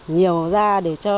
nhiều da để trở thành